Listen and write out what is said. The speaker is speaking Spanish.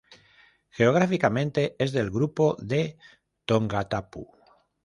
Geográficamente es del grupo de Tongatapu.